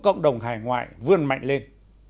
cộng đồng hải ngoại vươn mạnh lên